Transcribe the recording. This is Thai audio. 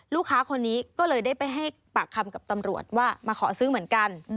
ลูกค้าคนนี้ก็เลยได้ไปให้ปากคำกับตำรวจว่ามาขอซื้อเหมือนกัน